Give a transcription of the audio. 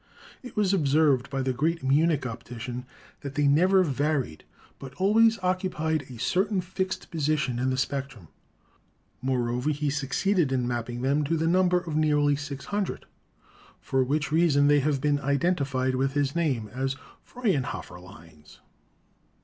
It was observed by the great Munich optician that they never varied, but always occupied a certain fixed position in the spectrum ; moreover, he succeeded in mapping them to the number of nearly six hundred, for which reason they have been identified with his name, as "Frauenhofer's lines."